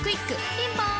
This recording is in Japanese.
ピンポーン